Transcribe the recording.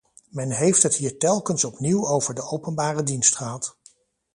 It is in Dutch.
Men heeft het hier telkens opnieuw over de openbare dienst gehad.